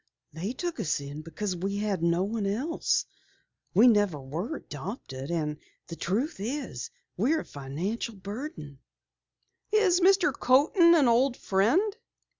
"They took us in because we had no one else. We never were adopted, and the truth is, we're a financial burden." "Is Mr. Coaten an old friend?"